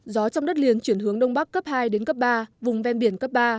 gió trong đất liền chuyển hướng đông bắc cấp hai đến cấp ba vùng ven biển cấp ba